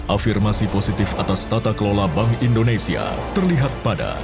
afirmasi positif atas tata kelola bank indonesia terlihat pada